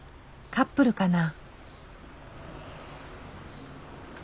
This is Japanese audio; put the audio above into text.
カップルかな？